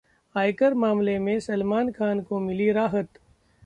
आयकर मामले में सलमान खान को मिली राहत